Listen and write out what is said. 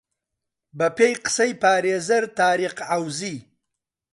بە پێی قسەی پارێزەر تاریق عەوزی